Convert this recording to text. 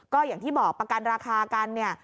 ก็อย่างที่บอกประกันราคากันเนี่ย